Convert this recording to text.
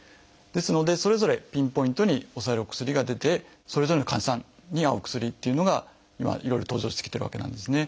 ですのでそれぞれピンポイントに抑えるお薬が出てそれぞれの患者さんに合うお薬っていうのが今いろいろ登場してきてるわけなんですね。